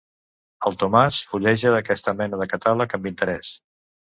El Tomàs fulleja aquesta mena de catàleg amb interès.